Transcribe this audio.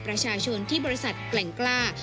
ประชาชนที่บริษัทแกร่งกล้า